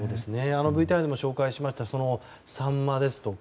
ＶＴＲでも紹介しましたサンマですとか